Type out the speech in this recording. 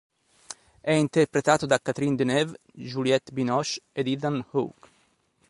È interpretato da Catherine Deneuve, Juliette Binoche e Ethan Hawke.